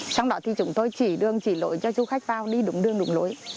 xong đó thì chúng tôi chỉ đường chỉ lỗi cho du khách vào đi đúng đường đúng lối